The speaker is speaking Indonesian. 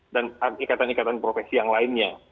dan ikatan ikatan profesi yang lainnya